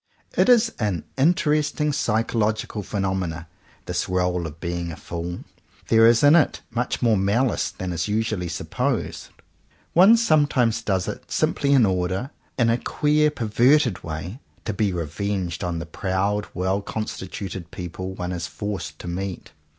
It is an interesting psychological phenomenon — this role of being a fool. There is in it much more no JOHN COWPER POWYS malice than is usually supposed. One some times does it simply in order, in a queer perverted way, to be revenged on the proud, well constituted people one is forced to meet.